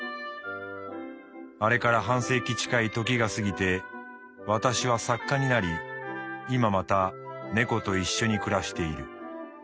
あれから半世紀近い時が過ぎて私は作家になりいままた猫と一緒に暮らしている」。